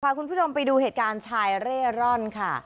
คุณผู้ชมไปดูเหตุการณ์ชายเร่ร่อนค่ะ